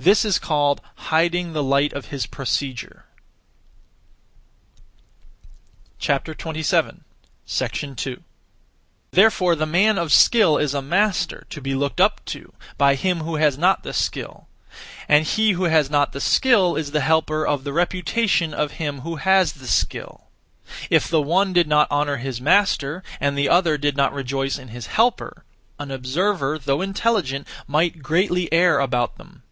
This is called 'Hiding the light of his procedure.' 2. Therefore the man of skill is a master (to be looked up to) by him who has not the skill; and he who has not the skill is the helper of (the reputation of) him who has the skill. If the one did not honour his master, and the other did not rejoice in his helper, an (observer), though intelligent, might greatly err about them.